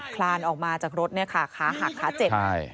คลานออกมาจากรถเนี่ยค่ะขาหักขาเจ็บ